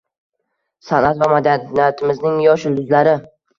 “Sa’nat va madaniyatimizning yosh yulduzlari”